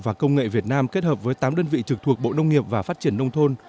và công nghệ việt nam kết hợp với tám đơn vị trực thuộc bộ nông nghiệp và phát triển nông thôn